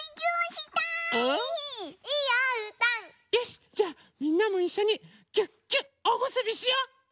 よしじゃあみんなもいっしょにぎゅっぎゅっおむすびしよう！